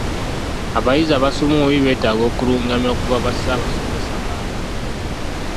Abayizi abasoma obubi beetaaga okulungamya okuva bassaabasomesa baabwe.